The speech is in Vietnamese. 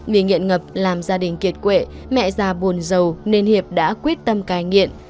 bị nghiện ngập làm gia đình kiệt quệ mẹ già buồn giàu nên hiệp đã quyết tâm cai nghiện